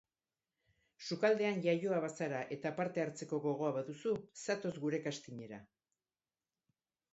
Sukaldean iaioa bazara, eta parte hartzeko gogoa baduzu, zatoz gure castingera!